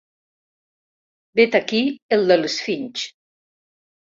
Vet aquí el de l'Esfinx.